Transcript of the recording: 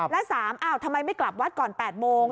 และ๓ทำไมไม่กลับวัดก่อน๘โมง